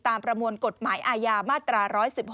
ประมวลกฎหมายอาญามาตรา๑๑๖